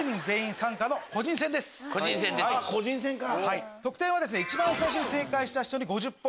個人戦か。